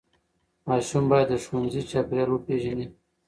ماشوم باید د ښوونځي چاپېریال وپیژني.